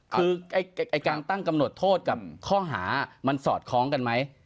คือการตั้งกำหนดโทษกับข้อหามันสอดคล้องกันไหม